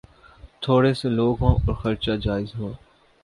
تھوڑے سے لوگ ہوں اور خرچا جائز ہو۔